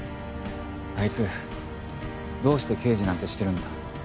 あいつどうして刑事なんてしてるんだ？